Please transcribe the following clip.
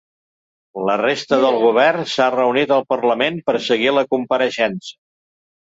La resta del govern s’ha reunit al parlament per a seguir la compareixença.